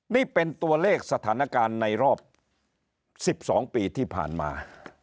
นี่เป็นตัวเลขสถานการณ์ในรอบ๑๒ปีที่ผ่านมา